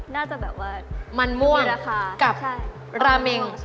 น่าจะแบบว่ามันมั่วนะคะกับราเมง